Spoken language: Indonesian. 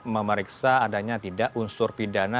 memeriksa adanya tidak unsur pidana